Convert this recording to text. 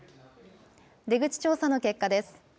出口調査の結果です。